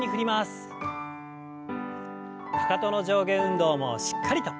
かかとの上下運動もしっかりと。